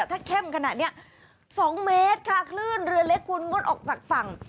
ถ้าเข้มขนาดนี้๒เมตรค่ะคลื่นเรือเล็กคุณงดออกจากฝั่ง